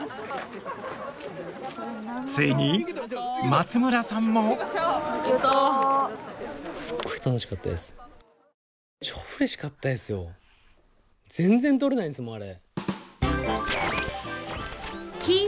ついに松村さんも全然取れないんですもんあれ。